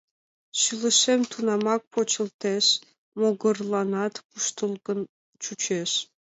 Шӱлышем тунамак почылтеш, могырланат куштылгын чучеш.